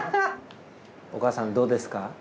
お母さんどうですか？